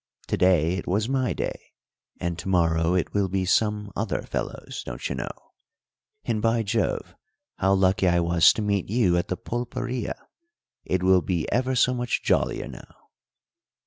To day it was my day, and to morrow it will be some other fellow's, don't you know. And, by Jove, how lucky I was to meet you at the pulperia! It will be ever so much jollier now."